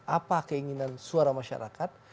apa keinginan suara masyarakat